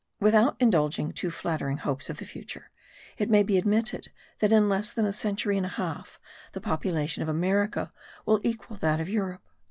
Without indulging too flattering hopes of the future, it may be admitted that in less than a century and a half the population of America will equal that of Europe.